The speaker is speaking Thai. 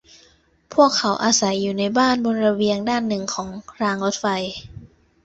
พวกเขาอาศัยอยู่ในบ้านบนระเบียงด้านหนึ่งของรางรถไฟ